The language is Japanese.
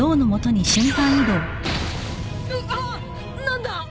何だ！？